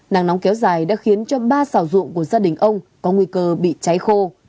nắng nóng kéo dài đã khiến cho ba xào ruộng của gia đình ông có nguy cơ bị cháy khô